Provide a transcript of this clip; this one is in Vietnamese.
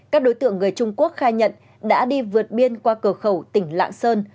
các đối tượng người trung quốc khai nhận đã đi vượt biên qua cửa khẩu tỉnh lạng sơn